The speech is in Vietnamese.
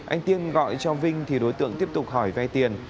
anh tiên gọi cho vinh thì đối tượng tiếp tục hỏi vay tiền